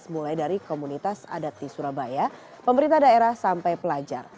mulai dari komunitas adat di surabaya pemerintah daerah sampai pelajar